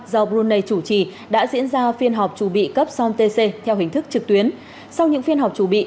do brunei chủ trì đã diễn ra phiên họp chủ bị cấp sontc theo hình thức trực tuyến sau những phiên họp chủ bị